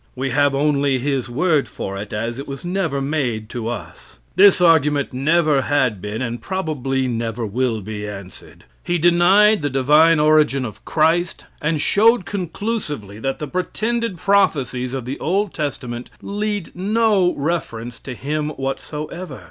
We have only his word for it, as it was never made to us. This argument never had been, and probably never will be answered. He denied the divine origin of Christ and showed conclusively that the pretended prophecies of the Old Testament lead no reference to Him whatever.